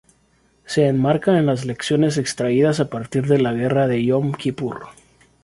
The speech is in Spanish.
Se enmarca en las lecciones extraídas a partir de la guerra de Yom Kipur.